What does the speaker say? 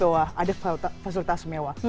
bahwa ada fasilitas mewah